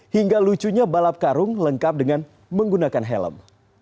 hingga lucunya balap karung lengkap dengan menggunakan helm